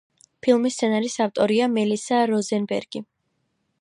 ფილმის სცენარის ავტორია მელისა როზენბერგი.